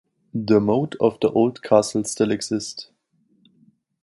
The moat of the old castle still exist.